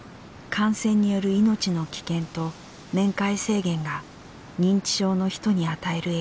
感染による命の危険と面会制限が認知症の人に与える影響。